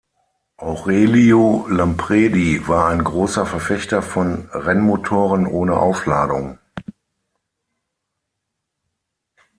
Aurelio Lampredi war ein großer Verfechter von Rennmotoren ohne Aufladung.